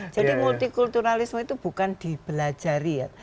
jadi multikulturalisme itu bukan dibelajari ya